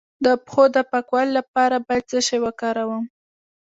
د پښو د پاکوالي لپاره باید څه شی وکاروم؟